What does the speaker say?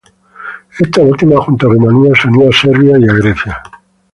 Esta última, junto a Rumanía se unió a Serbia y a Grecia.